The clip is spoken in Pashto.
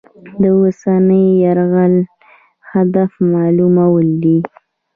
د اوسني یرغل هدف معلومول دي.